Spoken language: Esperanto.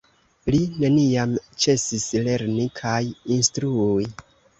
Li neniam ĉesis lerni kaj instrui.